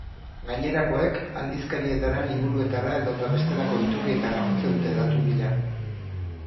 Gainerakoek, aldizkarietara, liburuetara edota bestelako iturrietara jotzen dute datu bila.